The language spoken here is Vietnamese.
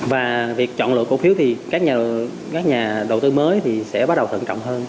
và việc chọn lợi cổ phiếu thì các nhà đầu tư mới thì sẽ bắt đầu thận trọng hơn